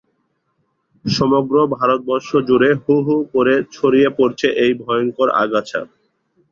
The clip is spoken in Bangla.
সমগ্র ভারতবর্ষ জুড়ে হু-হু করে ছড়িয়ে পড়ছে এই ভয়ংকর আগাছা।